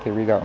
thì bây giờ